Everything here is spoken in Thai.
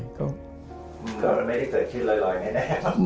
มันไม่เกิดขึ้นลอยไงนะครับ